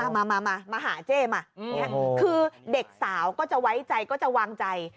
มามาหาเจ๊มาคือเด็กสาวก็จะไว้ใจก็จะวางใจ